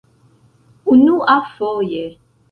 unuafoje